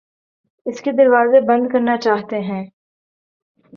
اس کے دروازے بند کرنا چاہتے ہیں